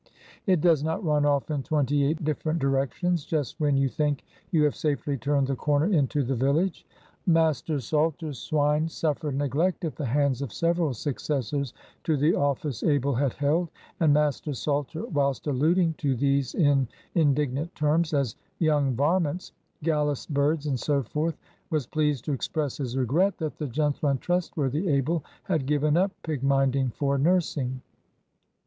It does not run off in twenty eight different directions, just when you think you have safely turned the corner into the village. Master Salter's swine suffered neglect at the hands of several successors to the office Abel had held, and Master Salter—whilst alluding to these in indignant terms as "young varments," "gallus birds," and so forth—was pleased to express his regret that the gentle and trustworthy Abel had given up pig minding for nursing.